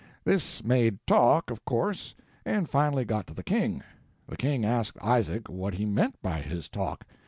This made talk, of course, and finally got to the king. The king asked Isaac what he meant by his talk.